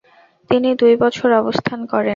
তিনি দুই বছর অবস্থান করেন।